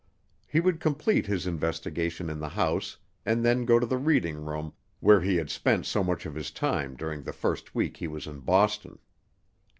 He would complete his investigation in the house and then go to the reading room where he had spent so much of his time during the first week he was in Boston.